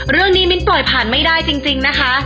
เรื่องนี้มิ้นต่อไปผ่านไม่ได้จริงนะคะ